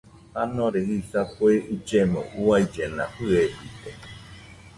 Janore jisa kue illemo uaillena fɨebite